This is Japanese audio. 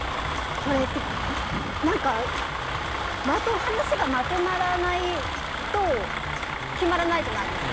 これって話がまとまらないと決まらないじゃないですか。